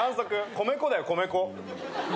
米粉だよ米粉。